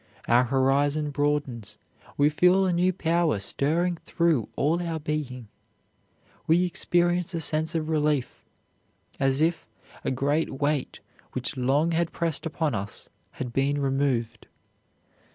Our horizon broadens; we feel a new power stirring through all our being; we experience a sense of relief, as if a great weight which long had pressed upon us had been removed.